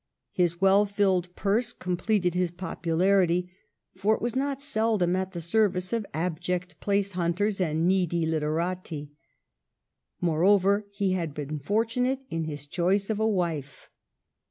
His well filled purse com pleted his popularity, for it was not seldom at the service of abject place hunters and needy literati. Moreover, he had been fortunate in his choice of a wife.